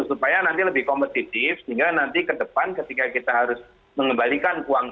supaya nanti lebih kompetitif sehingga nanti ke depan ketika kita harus mengembalikan uang